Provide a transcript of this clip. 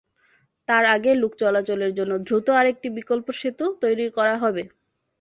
তার আগে লোক চলাচলের জন্য দ্রুত আরেকটি বিকল্প সেতু তৈরির করা হবে।